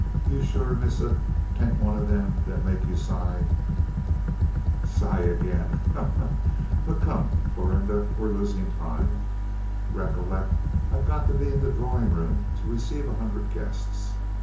You sure, missa, tain't one ob dem dat you make sigh?" "Sigh again! Ha! ha! ha! But come, Florinda, we're losing time. Recollect I've got to be in the drawing room to receive a hundred guests.